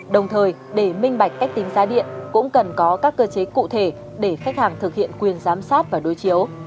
đồng thời để minh bạch cách tính giá điện cũng cần có các cơ chế cụ thể để khách hàng thực hiện quyền giám sát và đối chiếu